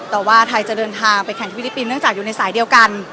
แต่ว่าไทยจะเดินทางไปแข่งที่ฟิลิปปินส์เนื่องจากอยู่ในสายเดียวกัน